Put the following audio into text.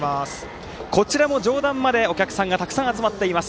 こちらも上段までお客さんがたくさん集まっています。